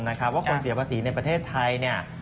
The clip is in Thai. ว่าคนเสียภาษีในประเทศไทยเนี่ย